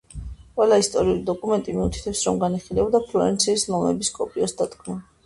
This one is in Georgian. ყველა ისტორიული დოკუმენტი მიუთითებს, რომ განიხილებოდა ფლორენციის ლომების კოპიოს დადგმა.